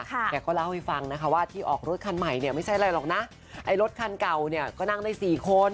แกก็เล่าให้ฟังนะคะว่าที่ออกรถคันใหม่เนี่ยไม่ใช่อะไรหรอกนะไอ้รถคันเก่าเนี่ยก็นั่งได้สี่คน